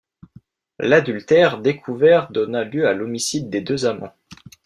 L'adultère découvert donna lieu à l'homicide des deux amants.